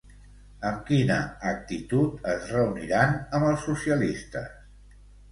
Amb quina actitud es reuniran amb els socialistes?